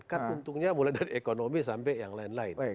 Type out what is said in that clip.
kan untungnya mulai dari ekonomi sampai yang lain lain